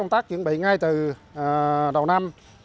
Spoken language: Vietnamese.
công tác chuẩn bị ngay từ đầu năm